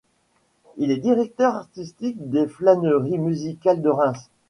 Il est directeur artistique des Flâneries musicales de Reims.